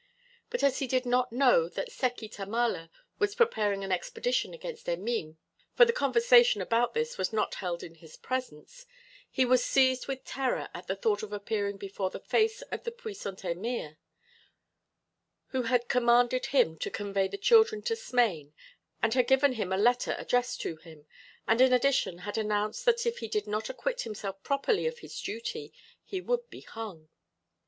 But as he did not know that Seki Tamala was preparing an expedition against Emin, for the conversation about this was not held in his presence, he was seized with terror at the thought of appearing before the face of the puissant emir, who had commanded him to convey the children to Smain and had given him a letter addressed to him and in addition had announced that if he did not acquit himself properly of his duty, he would be hung.